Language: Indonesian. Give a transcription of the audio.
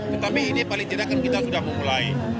tetapi ini paling tidak kan kita sudah memulai